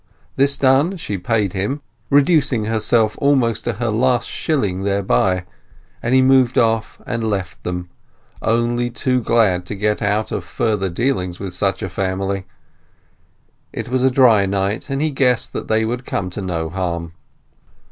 This done, she paid him, reducing herself to almost her last shilling thereby, and he moved off and left them, only too glad to get out of further dealings with such a family. It was a dry night, and he guessed that they would come to no harm.